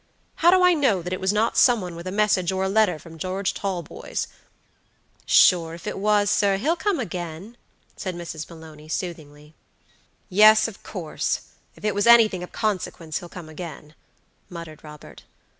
How do I know that it was not some one with a message or a letter from George Talboys?" "Sure if it was, sir, he'll come again," said Mrs. Maloney, soothingly. "Yes, of course, if it was anything of consequence he'll come again," muttered Robert.